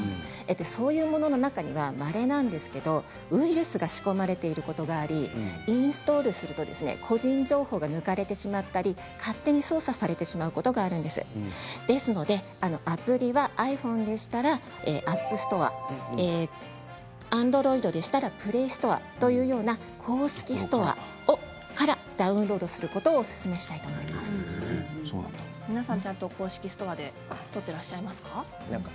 そういうものの中にはまれなんですが、ウイルスが仕込まれていることがありインストールすると個人情報が抜かれてしまったり勝手に操作されてしまうことがあるんです。アプリはｉＰｈｏｎｅでしたらＡｐｐＳｔｏｒｅＡｎｄｒｏｉｄでしたらＰｌａｙストアというような公式ストアからダウンロードすることを皆さん、ちゃんと公式ストアから取ってらっしゃいますか。